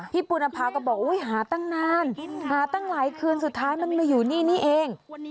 ปูนภาก็บอกหาตั้งนานหาตั้งหลายคืนสุดท้ายมันมาอยู่นี่นี่เอง